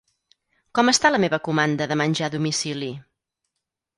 Com està la meva comanda de menjar a domicili?